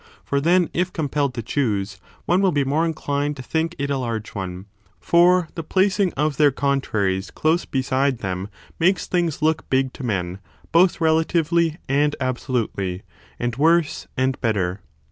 For then, if compelled to choose, one will be more inclined to think it a large one : for the 5 placing of their contraries close beside them makes things look big to men, both relatively and absolutely, and worse and better.